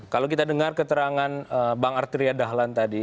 kalau kita dengar keterangan bang arteria dahlan tadi